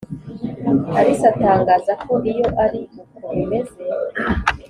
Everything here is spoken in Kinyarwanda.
alice atangaza ko iyo ari uko bimeze